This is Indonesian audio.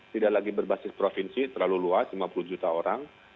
tidak lagi berbasis provinsi terlalu luas lima puluh juta orang